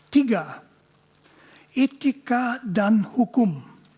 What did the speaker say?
tiga etika dan hukum